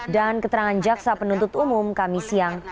dan keterangan jaksa penuntut umum kami siang